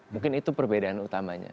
mungkin itu perbedaan utamanya